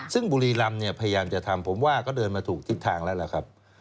ซึ่งบุรีรำเนี่ยพยายามจะทำผมว่าก็เดินมาถูกทิศทางแล้วล่ะครับ